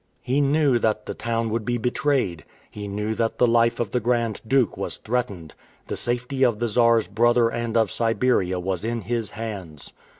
He knew that the town would be betrayed! He knew that the life of the Grand Duke was threatened! The safety of the Czar's brother and of Siberia was in his hands.